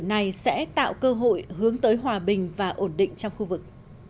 cộng đồng quốc tế sẽ tạo cơ hội hướng tới hòa bình và ổn định trong khu vực